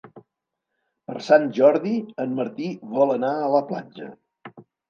Per Sant Jordi en Martí vol anar a la platja.